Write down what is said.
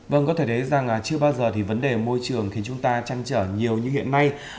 vâng có thể thấy rằng chưa bao giờ thì vấn đề môi trường khiến chúng ta chăn trở nhiều như hiện nay